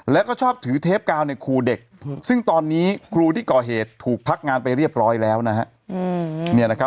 แล้วก็ชอบถือเทปกาวในครูเด็กซึ่งตอนนี้ครูที่ก่อเหตุถูกพักงานไปเรียบร้อยแล้วนะฮะ